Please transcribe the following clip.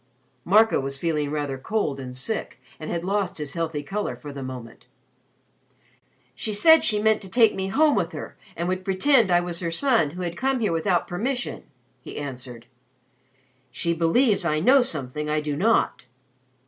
Marco was feeling rather cold and sick and had lost his healthy color for the moment. "She said she meant to take me home with her and would pretend I was her son who had come here without permission," he answered. "She believes I know something I do not."